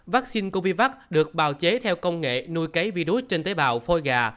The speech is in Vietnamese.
vaccine covid được bào chế theo công nghệ nuôi cấy virus trên tế bào phôi gà